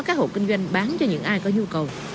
các hộ kinh doanh bán cho những ai có nhu cầu